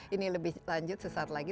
ini lebih lanjut sesaat lagi